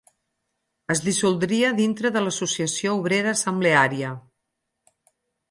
Es dissoldria dintre de l'Associació Obrera Assembleària.